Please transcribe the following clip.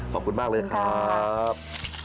ขอบคุณมากเลยครับขอบคุณครับ